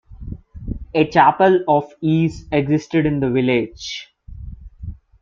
A chapel of ease existed in the village.